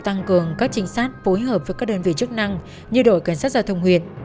tăng cường các trinh sát phối hợp với các đơn vị chức năng như đội cảnh sát giao thông huyện